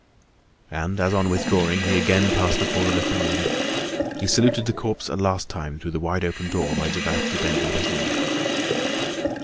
And as on withdrawing he again passed before the little room, he saluted the corpse a last time through the wide open door by devoutly bending his knee.